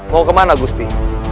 mau kemana gusti